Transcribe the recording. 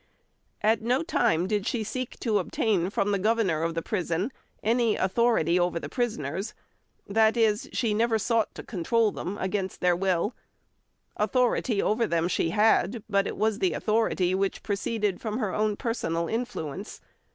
At no time did she seek to obtain from the governor of the prison any authority over the prisoners; that is, she never sought to control them against their will; authority over them she had, but it was the authority which proceeded from her own personal influence.